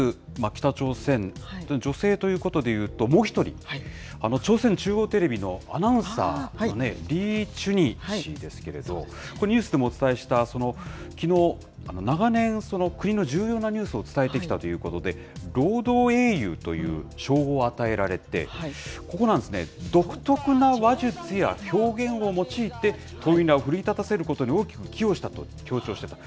北朝鮮、女性ということでいうと、もう１人、朝鮮中央テレビのアナウンサーのリ・チュニ氏ですけれども、これ、ニュースでもお伝えした、きのう、長年、国の重要なニュースを伝えてきたということで、労働英雄という称号を与えられてここなんですね、独特な話術や表現を用いて、党員らを奮い立たせることに大きく寄与したと強調している。